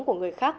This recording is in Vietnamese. của người khác